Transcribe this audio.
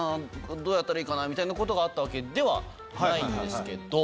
どうやったらいいかな」みたいなことがあったわけではないんですけど。